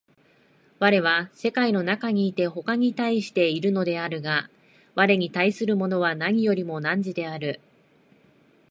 我は世界の中にいて他に対しているのであるが、我に対するものは何よりも汝である。